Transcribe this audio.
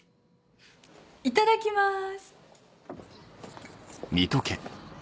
いただきます。